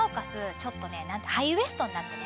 ちょっとね何かハイウエストになってね